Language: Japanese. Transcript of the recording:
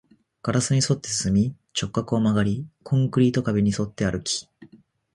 ガラスに沿って進み、直角に曲がり、コンクリート壁に沿って歩き